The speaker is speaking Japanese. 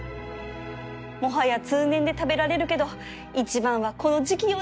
もはや通年で食べられるけど一番はこの時季よね